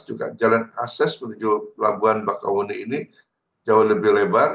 juga jalan akses menuju pelabuhan bakauni ini jauh lebih lebar